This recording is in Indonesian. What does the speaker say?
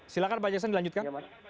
silahkan pak jackson dilanjutkan